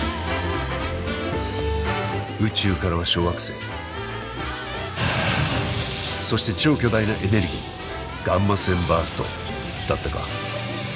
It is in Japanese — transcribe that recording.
宇宙からは小惑星そして超巨大なエネルギーガンマ線バーストだったか？